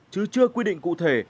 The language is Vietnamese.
chứ chưa quy định cụ thể